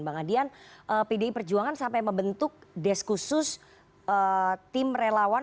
bang adian pdi perjuangan sampai membentuk desk khusus tim relawan